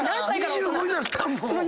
２５になったん⁉もう！